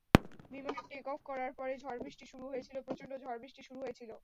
বিমান টেক-অফ করার পরে ঝড়বৃষ্টি শুরু হয়েছিল, প্রচন্ড ঝড়বৃষ্টি শুরু হয়েছিল।